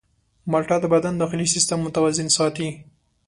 مالټه د بدن داخلي سیستم متوازن ساتي.